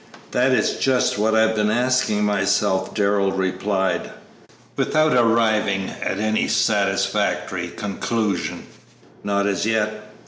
"That is just what I have been asking myself," Darrell replied. "Without arriving at any satisfactory conclusion?" "Not as yet."